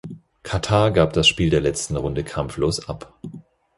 Katar gab das Spiel der letzten Runde kampflos ab.